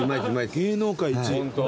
芸能界一。